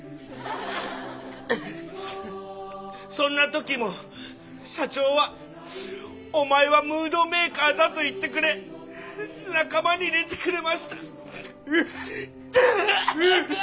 「そんな時も社長は『お前はムードメーカーだ』と言ってくれ仲間に入れてくれました」。